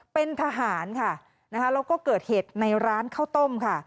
เป็นทหารค่ะนะคะแล้วก็เกิดเหตุในร้านข้าวต้มค่ะ